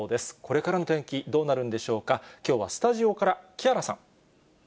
これからの天気、どうなるんでしょうか、きょうはスタジオから木原さん。